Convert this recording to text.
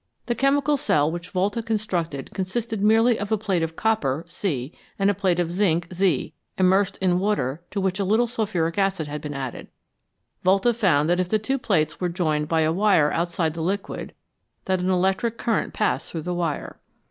The chemical cell which Volta constructed consisted merely of a plate of copper (C) and a plate of zinc (Z) immersed in water to which a little sulphuric acid had been added Volta found that if the two plates were joined by a wire outside the liquid, then an electric current passed through the wire.